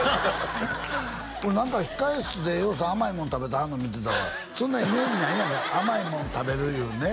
俺何か控室でぎょうさん甘いもの食べてはるの見てたわそんなイメージないやんか甘いもの食べるいうね